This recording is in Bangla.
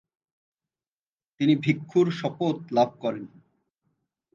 তিনি ভিক্ষুর শপথ লাভ করেন।